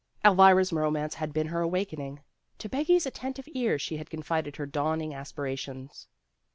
Elvira's romance had been her awakening. To Peggy's attentive ear she had confided her dawning aspirations.